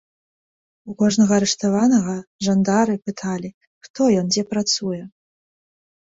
У кожнага арыштаванага жандары пыталі, хто ён, дзе працуе.